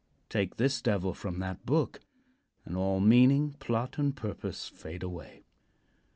Take this Devil from that book, and all meaning, plot and purpose fade away.